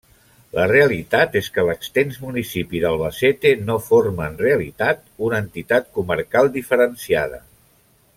La realitat és que l'extens municipi d'Albacete no forma en realitat una entitat comarcal diferenciada.